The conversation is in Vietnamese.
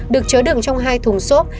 được chớ đường trong hai thùng xốp